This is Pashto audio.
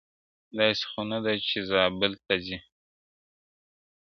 o داســي خــو نــه ده چــي زابــل تــــه ځــــي.